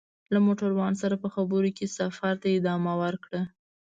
له موټروان سره په خبرو کې سفر ته ادامه ورکړه.